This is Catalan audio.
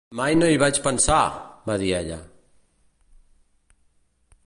"Mai no hi vaig pensar!", va dir ella.